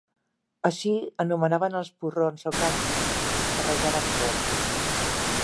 Així anomenaven els porrons o càntirs que rajaven poc.